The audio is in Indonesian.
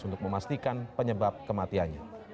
untuk memastikan penyebab kematiannya